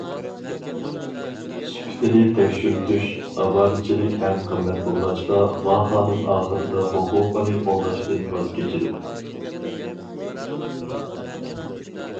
سۈپىتىنى تەكشۈرتۈش ئاۋارىچىلىك ھەم قىممەت بولغاچقا، ۋاڭ خانىم ئاخىرىدا ھوقۇقىنى قوغداشتىن ۋاز كېچىدۇ.